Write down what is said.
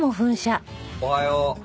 おはよう。